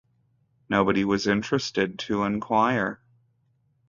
Nobody was interested to inquire.